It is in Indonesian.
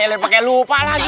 ya yaudah pakai lupa lagi